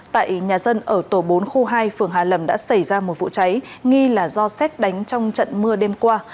tại nhà dân ở tổ bốn khu hai phường hà lâm đã xảy ra một vụ cháy nghi là do xét đánh trong trận mưa đêm qua